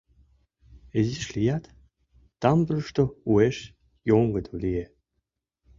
Изиш лият, тамбурышто уэш йоҥгыдо лие.